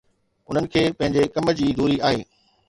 انهن کي پنهنجي ڪم جي دوري آهي.